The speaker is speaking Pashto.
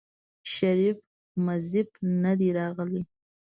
شريف مريف ندی راغلی.